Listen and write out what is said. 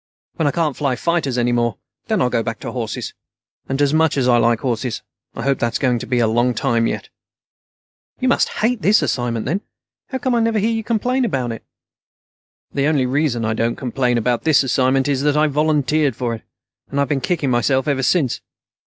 When I can't fly fighters any more, then I'll go back to horses. And much as I like horses, I hope that's going to be a long time yet." "You must hate this assignment, then. How come I never hear you complain about it?" "The only reason I don't complain about this assignment is that I volunteered for it. And I've been kicking myself ever since.